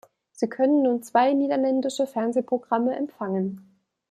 Sie können nun zwei niederländische Fernsehprogramme empfangen.